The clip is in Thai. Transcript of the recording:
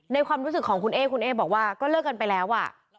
ความรู้สึกของคุณเอ๊คุณเอ๊บอกว่าก็เลิกกันไปแล้วอ่ะ